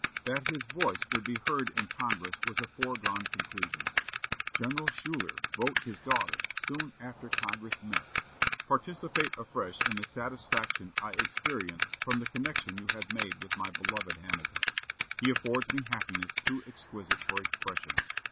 That his voice would be heard in Congress was a foregone conclusion. General Schuyler wrote his daughter soon after Congress met: "Participate afresh in the satisfaction I experience from the connection you have made with my beloved Hamilton. He affords me happiness too exquisite for expression.